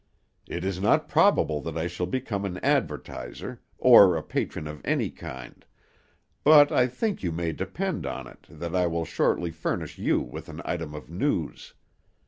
It is not probable that I shall become an advertiser, or a patron of any kind; but I think you may depend on it that I will shortly furnish you with an item of news.